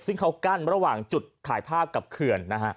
ซึ่งเขากั้นระหว่างจุดถ่ายภาพกับเขื่อนนะฮะ